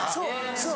そう！